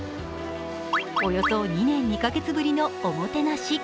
およそ２年２カ月ぶりのおもてなし。